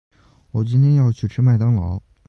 今天我要去吃麦当劳。